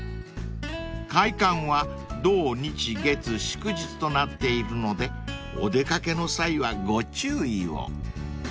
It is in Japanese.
［開館は土日月祝日となっているのでお出掛けの際はご注意を］